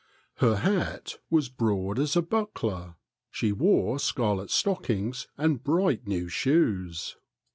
Her hat was broad as a buckler. She wore scarlet stock ings and bright new shoes.